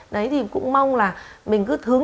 đấy thì cũng mong là mình cứ thướng